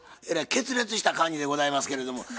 えらい決裂した感じでございますけれども。